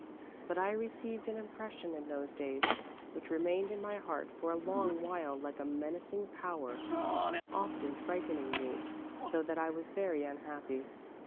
"But I received an impression in those days which remained in my heart for a long while like a menacing power, often frightening me so that I was very unhappy.